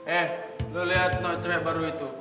eh lu lihat noh cewek baru itu